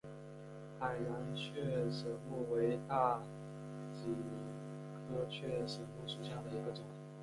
海南雀舌木为大戟科雀舌木属下的一个种。